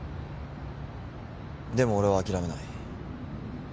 でも俺はあきらめない。